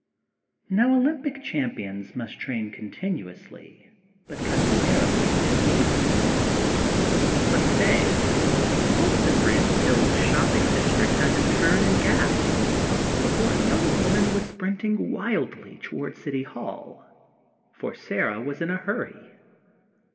Now, Olympic champions must train continuously, but, customarily, in gymnasiums. But today, folks in Branton Hills' shopping district had to turn and gasp; for a young woman was sprinting wildly toward City Hall; for Sarah was in a hurry.